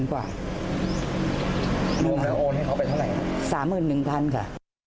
โอนให้เขาไปเท่าไหร่สามหมื่นหนึ่งพันค่ะ